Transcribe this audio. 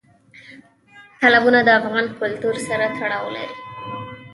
تالابونه د افغان کلتور سره تړاو لري.